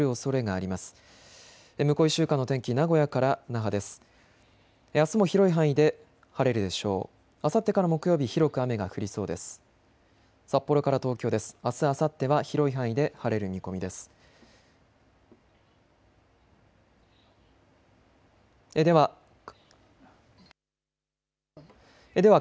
あさってから木曜日、広く雨が降りそうです。